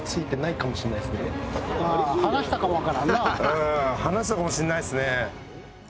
うん離したかもしんないですね。